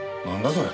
それ。